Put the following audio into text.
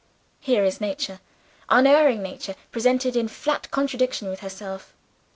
Here is Nature, "unerring Nature," presented in flat contradiction with herself.